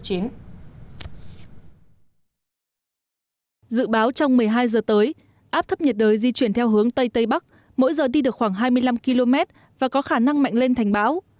dự báo trong một mươi hai giờ tới áp thấp nhiệt đới di chuyển theo hướng tây tây bắc mỗi giờ đi được khoảng hai mươi năm km và có khả năng mạnh lên thành bão